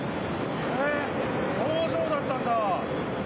へえ工場だったんだ！